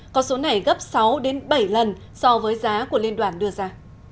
con số này gấp sáu bảy lần so với giá của liên đoàn đưa ra